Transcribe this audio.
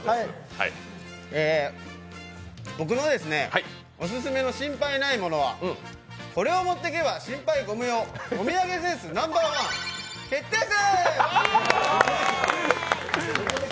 僕のオススメの心配ないものはこれを持ってけば心配ご無用、お土産センスＮｏ．１決定戦！